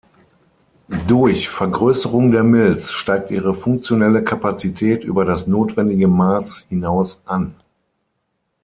Durch Vergrößerung der Milz steigt ihre funktionelle Kapazität über das notwendige Maß hinaus an.